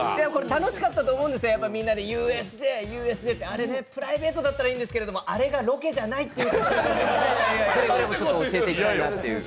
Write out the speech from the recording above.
楽しかったと思うんですよ、みんなでＵＳＪ、ＵＳＪってあれ、プライベートだったらいいんですけど、あれはロケじゃないって教えてもらいたいなっていう。